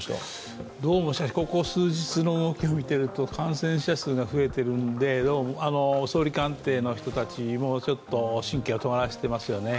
どうもしかし、ここ数日の動きを見てみると感染者数が増えてるので、総理官邸の人たちもちょっと神経をとがらせていますよね。